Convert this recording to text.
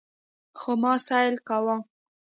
خو ما سيل کاوه.